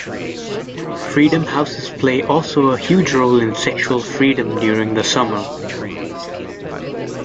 Freedom houses play also a huge role in sexual freedom during the summer.